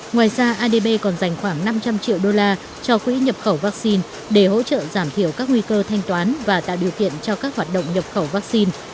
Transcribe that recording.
ngoài ra adb còn dành khoảng năm trăm linh triệu đô la cho quỹ nhập khẩu vaccine để hỗ trợ giảm thiểu các nguy cơ thanh toán và tạo điều kiện cho các hoạt động nhập khẩu vaccine